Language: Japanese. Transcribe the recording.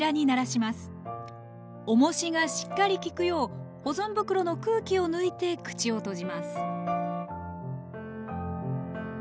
おもしがしっかり効くよう保存袋の空気を抜いて口を閉じます